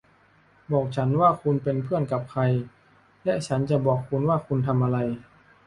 บอกฉันว่าคุณเป็นเพื่อนกับใครและฉันจะบอกคุณว่าคุณทำอะไร